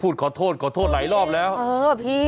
กูแค่ขอโทษแค่นั้นผมขอดี